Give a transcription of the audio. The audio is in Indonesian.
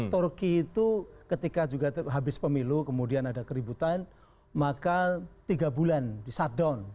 turki itu ketika juga habis pemilu kemudian ada keributan maka tiga bulan di shutdown